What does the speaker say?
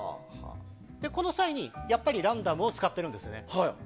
この際にやっぱり「ＲＮＤ」を使ってるんですね。